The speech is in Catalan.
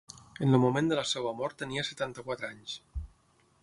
En el moment de la seva mort tenia setanta-quatre anys.